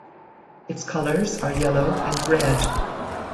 Its colours are yellow and red.